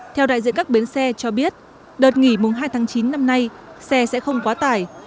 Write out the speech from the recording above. theo đại diện các bến xe cho biết đợt nghỉ mùng hai tháng chín năm nay xe sẽ không quá tải